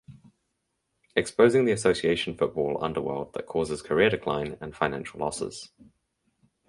Exposing the association football underworld that causes career decline and financial losses.